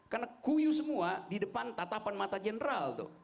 karena kuyuh semua di depan tatapan mata general tuh